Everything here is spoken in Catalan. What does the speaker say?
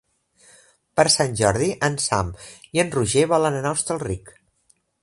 Per Sant Jordi en Sam i en Roger volen anar a Hostalric.